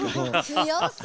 強そう。